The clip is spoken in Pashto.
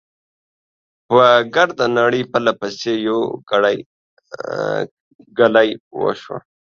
په ګرده نړۍ، پرله پسې، يوه ګړۍ، ګلۍ وشوه .